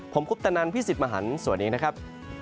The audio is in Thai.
ผมคุปตะนันพี่สิทธิ์มหันฯสวัสดีนะครับ